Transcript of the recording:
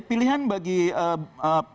pilihan bagi pertahanan indonesia